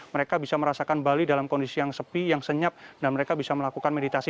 mereka bisa merasakan bali dalam kondisi yang sepi yang senyap dan mereka bisa melakukan meditasi